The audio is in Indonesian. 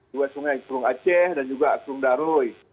dua sungai kurung aceh dan juga kurung darului